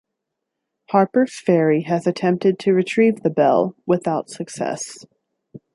Harpers Ferry has attempted to retrieve the bell without success.